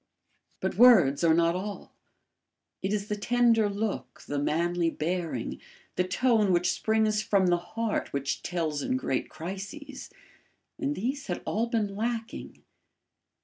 But words are not all; it is the tender look, the manly bearing, the tone which springs from the heart which tells in great crises; and these had all been lacking.